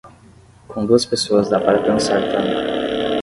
Com duas pessoas dá para dançar tango.